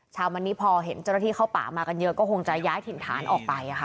เช้าวันนี้พอเห็นเจ้าหน้าที่เข้าป่ามากันเยอะก็คงจะย้ายถิ่นฐานออกไปค่ะ